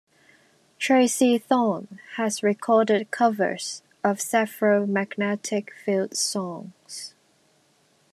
Tracey Thorn has recorded covers of several Magnetic Fields songs.